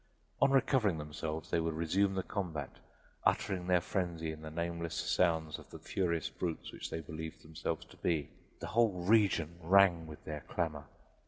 On recovering themselves they would resume the combat, uttering their frenzy in the nameless sounds of the furious brutes which they believed themselves to be the whole region rang with their clamor!